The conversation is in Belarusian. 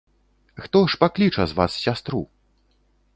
Хто ж пакліча з вас сястру?